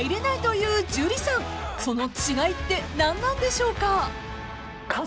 ［その違いって何なんでしょうか？］